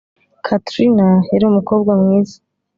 catrina yari umukobwa mwiza